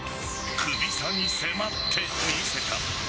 クビ差に迫ってみせた。